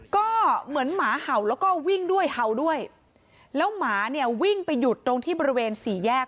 ก็เหมือนหมาเห่าแล้วก็วิ่งด้วยเห่าด้วยแล้วหมาเนี่ยวิ่งไปหยุดตรงที่บริเวณสี่แยก